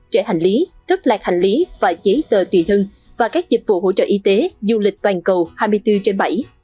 trẻ hành lý cấp lạc hành lý và giấy tờ tùy thân và các dịch vụ hỗ trợ y tế du lịch toàn cầu hai mươi bốn trên bảy